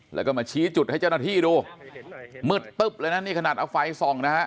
แล้วก็มาชี้จุดให้เจ้าหน้าที่ดูมืดตึ๊บเลยนะนี่ขนาดเอาไฟส่องนะฮะ